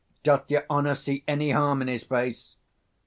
_ Doth your honour see any harm in his face?